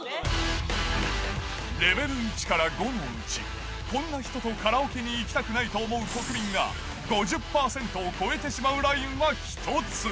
レベル１から５のうち、こんな人とカラオケに行きたくないと思う国民が５０％を超えてしまうラインは１つ。